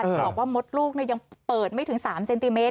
บอกว่ามดลูกยังเปิดไม่ถึง๓เซนติเมต